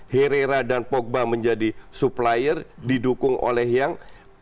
herrera dan pogba menjadi supplier didukung oleh yang